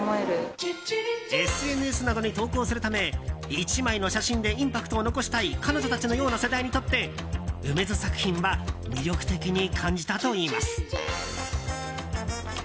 ＳＮＳなどに投稿するため１枚の写真でインパクトを残したい彼女たちのような世代にとって楳図作品は魅力的に感じたといいます。